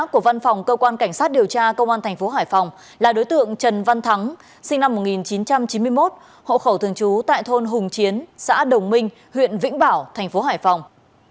cảnh sát điều tra công an tp hải phòng là đối tượng trần văn thắng sinh năm một nghìn chín trăm chín mươi một hộ khẩu thường trú tại thôn hùng chiến xã đồng minh huyện vĩnh bảo tp hải phòng